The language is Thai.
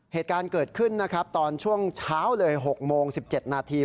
เหตุการณ์เกิดขึ้นนะครับตอนช่วงเช้าเลย๖โมง๑๗นาที